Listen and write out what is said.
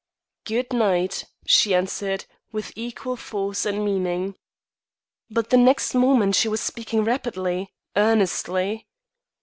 "Good night," she answered, with equal force and meaning. But the next moment she was speaking rapidly, earnestly.